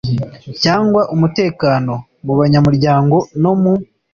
cyangwa umutekano mu banyamuryango no mu